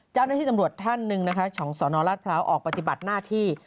เจ้าหน้าที่ตำรวจท่านหนึ่งนะคะของสนราชพร้าวออกปฏิบัติหน้าที่